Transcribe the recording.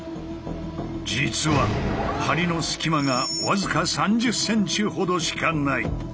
実は梁の隙間が僅か３０ｃｍほどしかない。